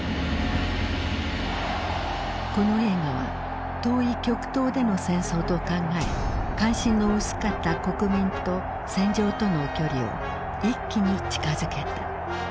この映画は遠い極東での戦争と考え関心の薄かった国民と戦場との距離を一気に近づけた。